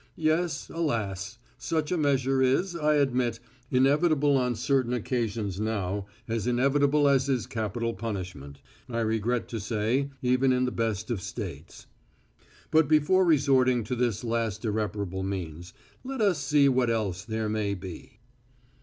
Yes, alas! such a measure is, I admit, inevitable on certain occasions now, as inevitable as is capital punishment, I regret to say, even in the best of states. But before resorting to this last irreparable means, let us see what else there may be...."